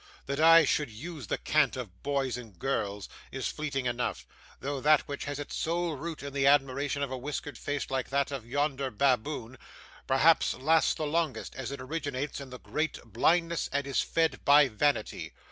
that I should use the cant of boys and girls is fleeting enough; though that which has its sole root in the admiration of a whiskered face like that of yonder baboon, perhaps lasts the longest, as it originates in the greater blindness and is fed by vanity.